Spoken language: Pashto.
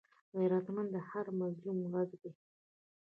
غیرتمند د هر مظلوم غږ دی